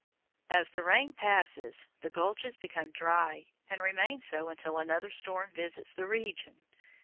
As the rain passes, the gulches become dry and remain so until another storm visits the region.